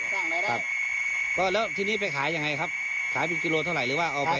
รายได้ครับก็แล้วทีนี้ไปขายยังไงครับขายเป็นกิโลเท่าไหร่หรือว่าเอาไป